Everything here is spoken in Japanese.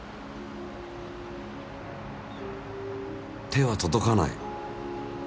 手は届かない。